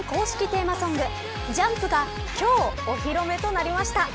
テーマソング、ＪＵＭＰが今日、お披露目となりました。